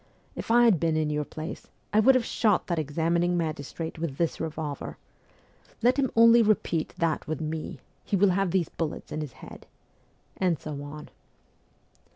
' If I had been in your place, I would have shot that examining magis trate with this revolver. Let him only repeat that 300 MEMOIRS OF A REVOLUTIONIST with me he will have these bullets in his head !' And so on.